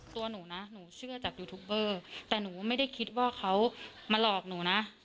ตัวหนูนะหนูเชื่อจากยูทูปเบอร์แต่หนูไม่ได้คิดว่าเขามาหลอกหนูนะ